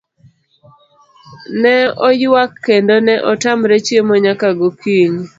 Ne oyuak kendo ne otamre chiemo nyaka gokinyi.